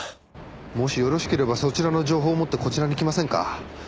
もしよろしければそちらの情報を持ってこちらに来ませんか？